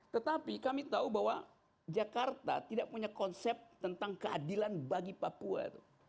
tetapi kami tahu bahwa jakarta tidak punya konsep tentang keadilan bagi papua